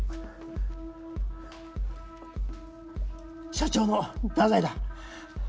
社長の太宰だ。